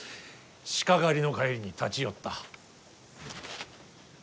鹿狩りの帰りに立ち寄った。